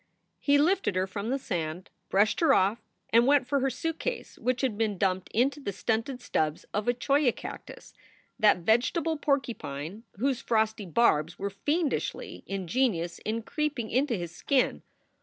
He lifted her from the sand, brushed her off, and went for her suitcase, which had been dumped into the stunted stubs of a cholla cactus, that vegetable porcupine whose frosty barbs were fiendishly ingenious in creeping into his skin.